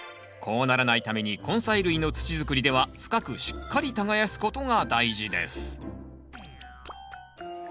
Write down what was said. こうならないために根菜類の土づくりでは深くしっかり耕すことが大事です